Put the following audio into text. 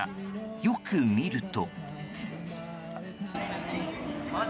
よく見ると。